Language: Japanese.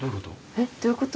えっどういうこと？